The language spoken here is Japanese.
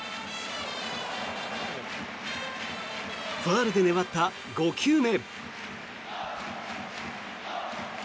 ファウルで粘った５球目。